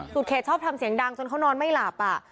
เขตชอบทำเสียงดังจนเขานอนไม่หลับ